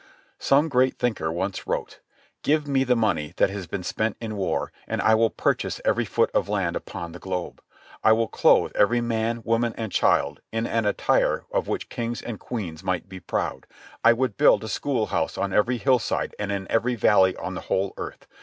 Some great thinker once wrote : "Give me the money that has been spent in war, and I will purchase every foot of land upon the globe. I will clothe every man, woman and child in an attire of which kings and queens might be proud, I would build a school house on every hillside and in every valley on the whole earth.